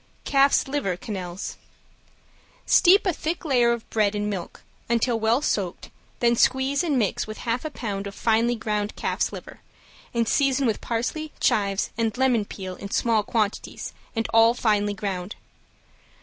~CALF'S LIVER QUENELLES~ Steep a thick layer of bread in milk, until well soaked, then squeeze and mix with half a pound of finely ground calf's liver, and season with parsley, chives and lemon peel in small quantities, and all finely ground.